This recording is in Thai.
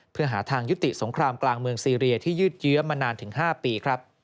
เพื่อหาทางยุติสงครามกลางเมืองซีเรียที่ยืดเยื้อมานานถึง๕ปีครับ